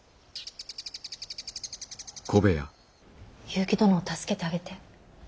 結城殿を助けてあげて。